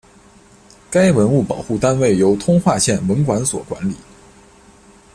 该文物保护单位由通化县文管所管理。